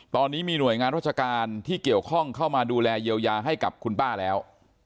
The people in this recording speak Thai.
ตอนนี้มีหน่วยงานราชการที่เกี่ยวข้องเข้ามาดูแลเยียวยาให้กับคุณป้าแล้ว